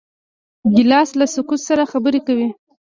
ګیلاس له سکوت سره خبرې کوي.